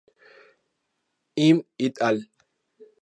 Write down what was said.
M. et al.